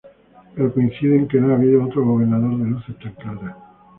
Pero coinciden que no ha habido otro gobernador de luces tan claras.